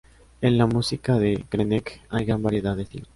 En la música de Krenek hay gran variedad de estilos.